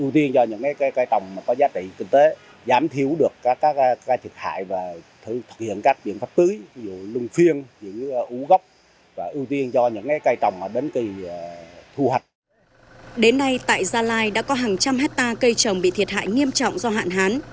đến nay tại gia lai đã có hàng trăm hectare cây trồng bị thiệt hại nghiêm trọng do hạn hán